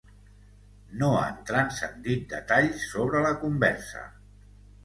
No han transcendit detalls sobre la conversa.